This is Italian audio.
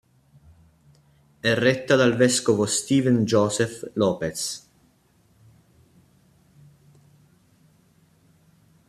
È retta dal vescovo Steven Joseph Lopes.